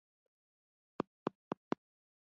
خصوصي مالکیت ټول ډولونه یې له منځه یووړل.